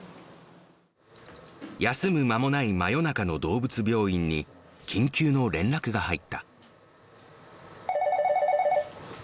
休む間もない真夜中の動物病院に、緊急の連絡が入った。